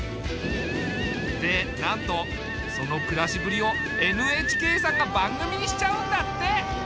でなんとその暮らしぶりをＮＨＫさんが番組にしちゃうんだって。